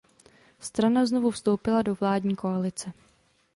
Strana znovu vstoupila do vládní koalice.